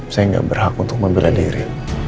saya nggak berhak untuk membela diri